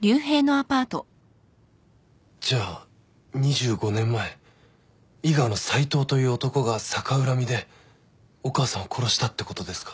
じゃあ２５年前伊賀の斉藤という男が逆恨みでお母さんを殺したってことですか？